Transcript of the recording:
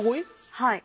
はい。